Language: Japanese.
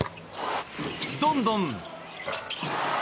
どんどん。